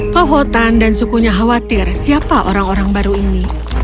pawotan dan sukunya khawatir siapa orang orang baru ini